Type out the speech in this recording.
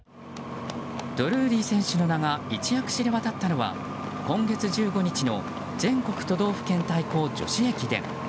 ドルーリー選手の名が一躍知れ渡ったのは今月１５日の全国都道府県対抗女子駅伝。